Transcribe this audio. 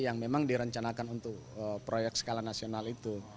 yang memang direncanakan untuk proyek skala nasional itu